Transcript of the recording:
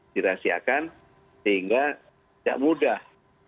dirahasiakan sehingga tidak mudah